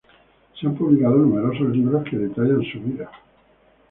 Se han publicado numerosos libros que detallan su vida.